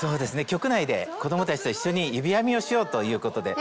局内で子供たちと一緒にゆびあみをしようということで。